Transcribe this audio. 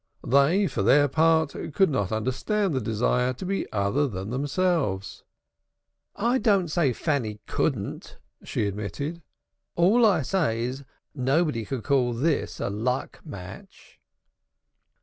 They for their part could not understand the desire to be other than themselves. "I don't say Fanny couldn't," she admitted. "All I say is, nobody could call this a luck match."